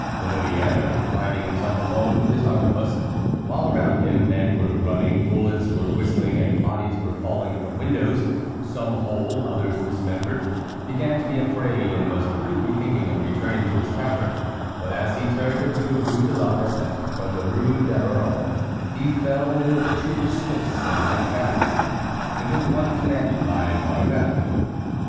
La Hurière, finding himself alone with his arquebuse, while around him men were running, bullets were whistling, and bodies were falling from windows,—some whole, others dismembered,—began to be afraid and was prudently thinking of returning to his tavern, but as he turned into the Rue de l'Arbre Sec from the Rue d'Averon he fell in with a troop of Swiss and light cavalry: it was the one commanded by Maurevel.